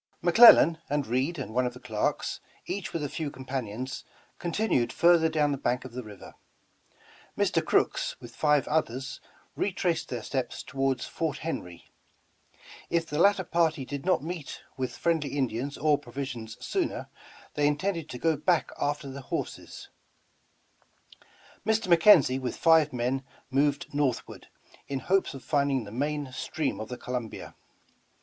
McLellan, and Reed one of the clerks, each with a few companions, contin ued further down the bank of the river; Mr. Crooks, with five others, retraced their steps toward Fort Henr>\ If the latter party did not meet with friendly Indians or pro^dsions sooner, they intended to go back after the horses; Mr. McKenzie with five men moved northward, in hopes of finding the main stream of the Columbia.